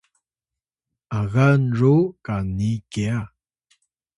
agan ru kani kya